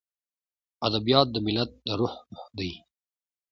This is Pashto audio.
ادبیات د ملت د روح روح دی.